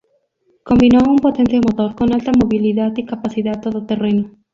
Combinó un potente motor con alta movilidad y capacidad todoterreno.